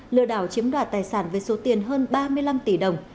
lừa đảo chiếm đoạt tài sản với số tiền hơn ba mươi năm tỷ đồng